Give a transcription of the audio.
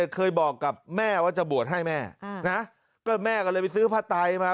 เคยบอกกับแม่ว่าจะบวชให้แม่นะก็แม่ก็เลยไปซื้อผ้าไตมา